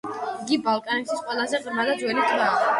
იგი ბალკანეთის ყველაზე ღრმა და ძველი ტბაა.